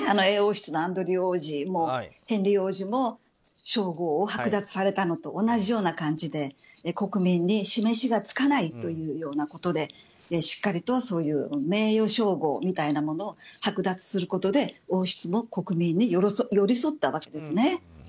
英王室のアンドリュー王子もヘンリー王子も称号をはく奪されたのと同じような感じで国民に示しがつかないということでしっかりと、そういう名誉称号みたいなものをはく奪することで王室は国民に寄り添ったわけですね。